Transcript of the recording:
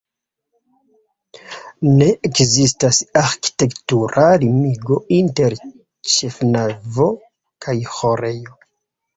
Ne ekzistas arĥitektura limigo inter ĉefnavo kaj ĥorejo.